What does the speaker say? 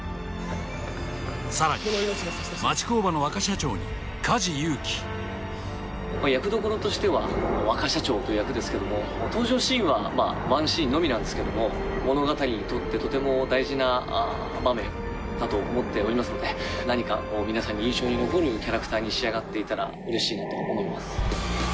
さらに町工場の若社長に梶裕貴役どころとしては若社長という役ですけども登場シーンはワンシーンのみなんですけども物語にとってとても大事な場面だと思っておりますので何か皆さんに印象に残るキャラクターに仕上がっていたらうれしいなと思います